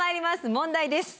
問題です。